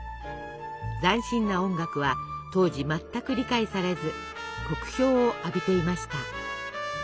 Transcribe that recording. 斬新な音楽は当時全く理解されず酷評を浴びていました。